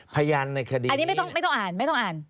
พยานในคดีนี้อันนี้ไม่ต้องอ่าน